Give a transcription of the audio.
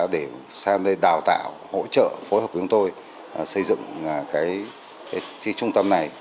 để đào tạo hỗ trợ phối hợp với chúng tôi xây dựng cái trung tâm này